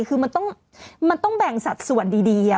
คือมันต้องแบ่งสัดส่วนดี